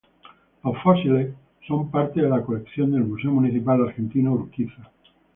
Los fósiles son parte de la colección del Museo Municipal Argentino Urquiza.